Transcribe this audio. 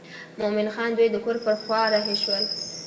مومن خان دوی د کور پر خوا رهي شول.